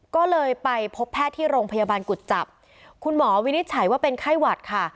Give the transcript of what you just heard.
ก็เลยไปพบแพทย์ที่โรงพยาบาลกุจจับคุณหมอวินิจฉัยว่าเป็นไข้หวัดค่ะ